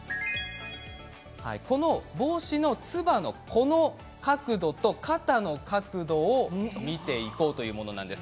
この帽子のつばの、この角度と肩の角度を見ていこうというものなんです。